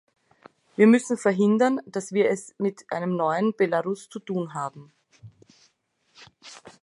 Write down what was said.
Wir müssen verhindern, dass wir es mit einem neuen Belarus zu tun haben.